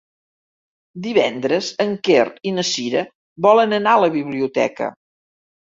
Divendres en Quer i na Cira volen anar a la biblioteca.